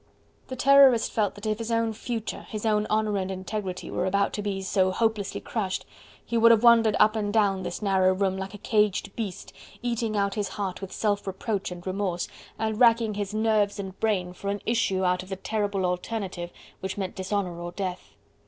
The Terrorist felt that if his own future, his own honour and integrity were about to be so hopelessly crushed, he would have wandered up and down this narrow room like a caged beast, eating out his heart with self reproach and remorse, and racking his nerves and brain for an issue out of the terrible alternative which meant dishonour or death.